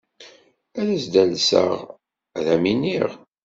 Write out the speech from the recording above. Ad s-d-alseɣ, ad am-iniɣ.